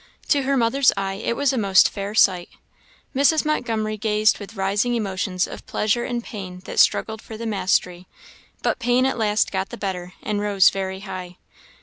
To her mother's eye it was a most fair sight. Mrs. Montgomery gazed with rising emotions of pleasure and pain that struggled for the mastery; but pain at last got the better, and rose very high.